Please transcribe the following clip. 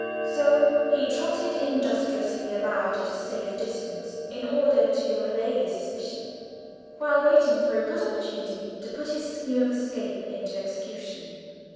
So he trotted industriously about at a safe distance in order to allay suspicion, while waiting for a good opportunity to put his scheme of escape into execution.